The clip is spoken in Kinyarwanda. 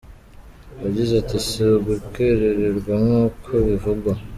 Yagize ati “Si ugukererwa nk’uko bivugwa.